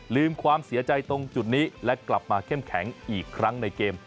ความเสียใจตรงจุดนี้และกลับมาเข้มแข็งอีกครั้งในเกม